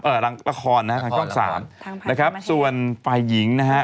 เอ่อละครนะฮะทางช่องสามทางผ่านกรรมเทพฯนะครับส่วนฝ่ายหญิงนะฮะ